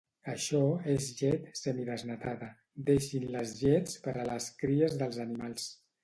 Això és llet semidesnatada, deixin les llets per a les cries dels animals